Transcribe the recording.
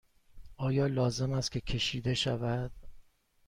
آیا لازم است که کشیده شود؟